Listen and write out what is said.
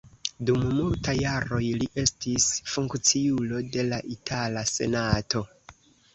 Dum multaj jaroj li estis funkciulo de la itala senato.